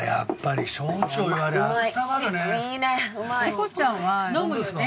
ヒコちゃんは飲むよね。